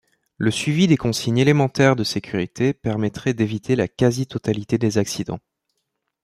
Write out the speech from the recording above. Le suivi des consignes élémentaires de sécurité permettrait d’éviter la quasi-totalité des accidents.